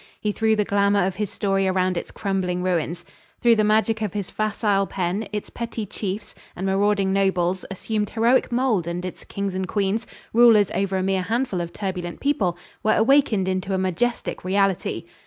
He threw the glamour of his story around its crumbling ruins. Through the magic of his facile pen, its petty chiefs and marauding nobles assumed heroic mould and its kings and queens rulers over a mere handful of turbulent people were awakened into a majestic reality.